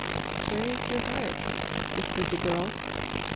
"Where is your heart?" whispered the Girl.